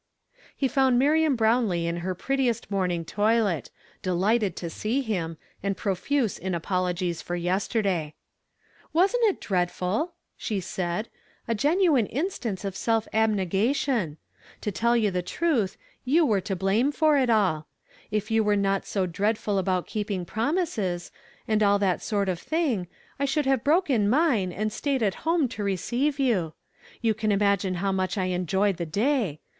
He found Miriam Brownlee in her prettiest morning toilet, delighted to see him, and profuse in apologies for yesterday. "Wasn't it dreadful?" she said; "a genuine instance of self abnegation. To tell you the truth, you were to blame for it all. If you were not so dreadful about keeping promises, and all that sort of thing, I should have broken mine, and stayed at home to receive you. You can imagimj how much I enjoyed the day